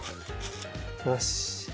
よし。